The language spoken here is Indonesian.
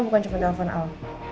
lo bukan cuma nelfon al